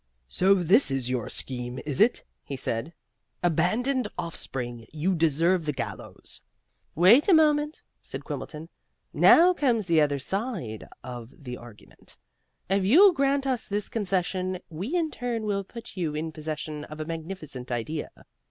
"So this is your scheme, is it?" he said. "Abandoned offspring, you deserve the gallows." "Wait a moment," said Quimbleton. "Now comes the other side of the argument. If you grant us this concession we in turn will put you in possession of a magnificent idea.